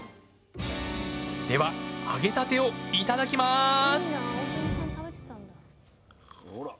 では揚げたてをいただきます！